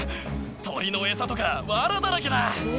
鳥の餌とか、わらだらけだ。